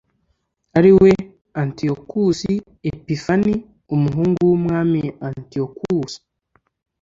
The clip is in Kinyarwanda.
ari we antiyokusi epifani, umuhungu w'umwami antiyokusi